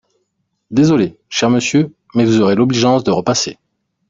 Désolé, cher monsieur, mais vous aurez l’obligeance de repasser…